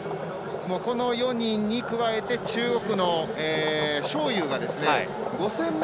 この４人に加えて中国の章勇が５０００ｍ